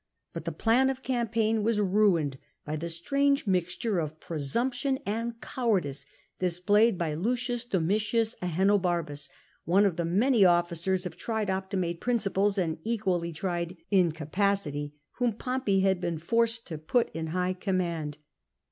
But the plan of campaign was ruined by the strange mixture of presumption and cowardice displayed by L. Domitius Ahenobarbus, one of the many ofiScers of tried Optimate principles and equally tried incapacity whom Pompey had been forced to put in high command.